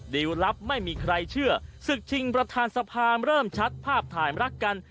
ลับไม่มีใครเชื่อศึกชิงประธานสภาเริ่มชัดภาพถ่ายรักกัน